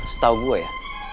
setau gue ya